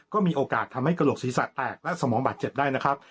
ก็มีโอกาสทำให้กระโหลกศีรษะแตกและสมองบาดเจ็บได้นะครับ